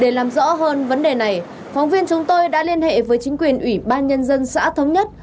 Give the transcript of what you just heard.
để làm rõ hơn vấn đề này phóng viên chúng tôi đã liên hệ với chính quyền ủy ban nhân dân xã thống nhất